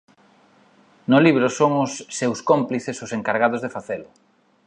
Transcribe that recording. No libro son os seus cómplices os encargados de facelo.